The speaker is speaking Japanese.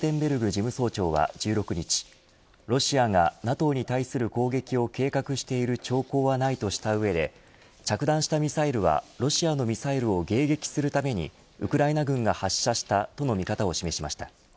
事務総長は１６日ロシアがＮＡＴＯに対する攻撃を計画している兆候はないとした上で着弾したミサイルはロシアのミサイルを迎撃するためにウクライナ軍が発射したとの見方を示しました。